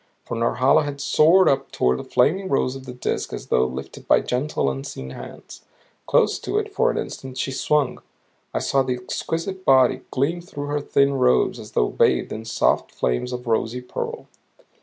For Norhala had soared up toward the flaming rose of the Disk as though lifted by gentle, unseen hands. Close to it for an instant she swung. I saw the exquisite body gleam through her thin robes as though bathed in soft flames of rosy pearl.